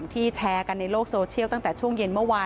แชร์กันในโลกโซเชียลตั้งแต่ช่วงเย็นเมื่อวาน